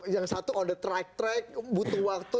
yang satu sudah track track butuh waktu